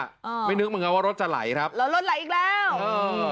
อ่าไม่นึกเหมือนกันว่ารถจะไหลครับแล้วรถไหลอีกแล้วเออ